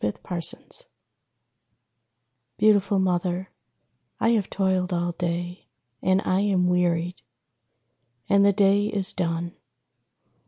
_ THE FOUNDLING Beautiful Mother, I have toiled all day; And I am wearied. And the day is done.